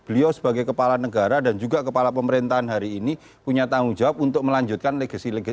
beliau sebagai kepala negara dan juga kepala pemerintahan hari ini punya tanggung jawab untuk melanjutkan legasi legasi